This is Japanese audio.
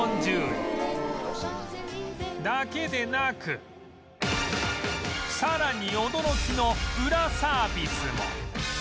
だけでなくさらに驚きのウラサービスも